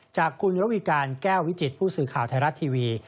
จากคุณระวีการแก้ววิจิตผู้สื่อข่าวไทยรัฐทีวี